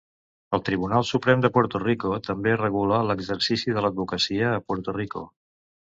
El Tribunal Suprem de Puerto Rico també regula l'exercici de l'advocacia a Puerto Rico.